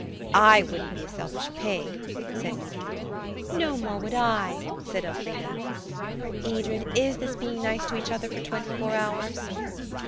"I wouldn't be a selfish pig," said Edred. "No more would I," said Elfrida. "Oh, Edred, is this being nice to each other for twenty four hours?"